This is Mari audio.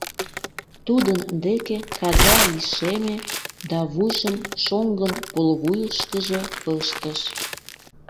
Тудын деке каза лишеме да вуйжым шоҥгын пулвуйышкыжо пыштыш.